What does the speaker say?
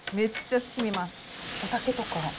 お酒とか。